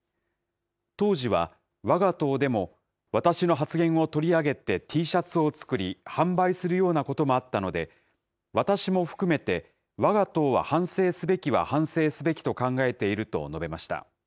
当時はわが党でも、私の発言を取り上げてＴシャツを作り、販売するようなこともあったので、私も含めて、わが党は反省すべきは反省すべきと考えていると述べました。